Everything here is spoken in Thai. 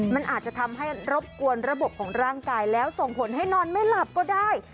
มันอาจจะทำให้รบกวนระบบของร่างกายแล้วส่งผลให้นอนไม่หลับก็ได้